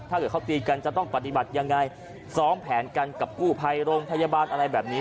ถ้าเกิดเขาตีกันจะต้องปฏิบัติยังไงซ้อมแผนกันกับกู้ภัยโรงพยาบาลอะไรแบบนี้